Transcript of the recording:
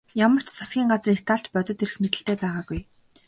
Ямар ч засгийн газар Италид бодит эрх мэдэлтэй байгаагүй.